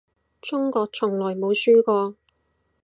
中國從來冇輸過